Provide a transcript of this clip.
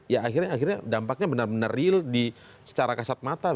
ya akhirnya dampaknya benar benar real secara kasat mata